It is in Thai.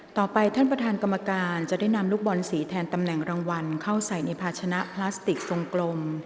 ต่อไปท่านประธานกรรมการจะได้นำลูกบอลสีแทนตำแหน่งรางวัลเข้าใส่ในภาชนะพลาสติกทรงกลม